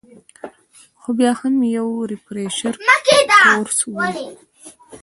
خو بيا هم يو ريفرېشر کورس وۀ -